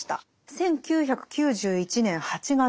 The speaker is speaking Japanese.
１９９１年８月。